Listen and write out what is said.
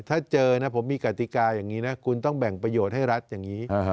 ถ้าเจอนะผมมีกติกาอย่างนี้นะคุณต้องแบ่งประโยชน์ให้รัฐอย่างนี้